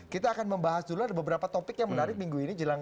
kita akan membahas dulu ada beberapa topik yang menarik minggu ini jelang